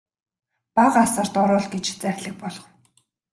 Бага асарт оруул гэж зарлиг буулгав.